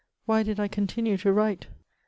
why did I continue to write ?